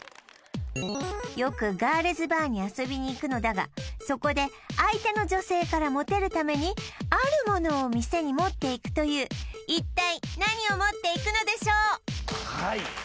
よくガールズバーに遊びに行くのだがそこで相手の女性からモテるためにあるものを店に持っていくという一体何を持っていくのでしょう？